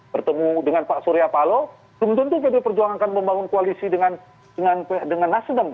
pertemu dengan pak surya paloh tentu tentu pd perjuangan akan membangun koalisi dengan nasdem